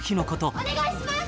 お願いします！